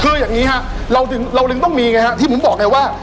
คืออย่างนี้ฮะเราจึงต้องมีไงฮะที่ผมบอกไงว่า